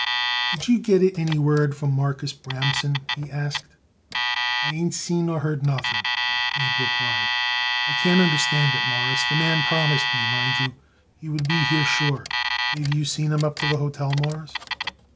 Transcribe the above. "Did you get it any word from Marcus Bramson?" he asked. "I ain't seen nor heard nothing," Abe replied. "I can't understand it, Mawruss; the man promised me, mind you, he would be here sure. Maybe you seen him up to the hotel, Mawruss?"